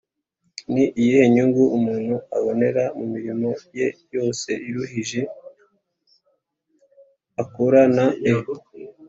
Ni iyihe nyungu umuntu abonera mu mirimo ye yose iruhije akoranae